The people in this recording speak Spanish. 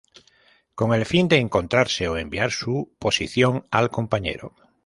Con el fin de encontrarse o enviar su posición al compañero.